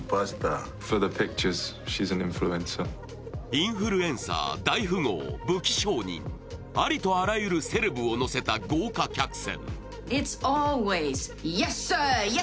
インフルエンサー、大富豪、武器商人、ありとあらゆるセレブを乗せた豪華客船。